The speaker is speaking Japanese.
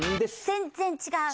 全然違う。